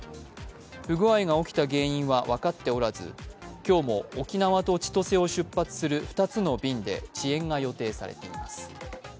不具合が起きた原因は分かっておらず、今日も沖縄と千歳を出発する２つの便で遅延が予定されています。